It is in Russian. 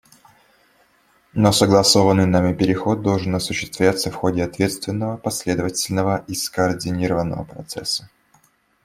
Но согласованный нами переход должен осуществляться в ходе ответственного, последовательного и скоординированного процесса.